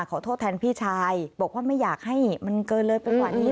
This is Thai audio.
ขอโทษแทนพี่ชายบอกว่าไม่อยากให้มันเกินเลยไปกว่านี้